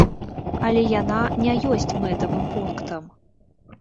Але яна не ёсць мэтавым пунктам.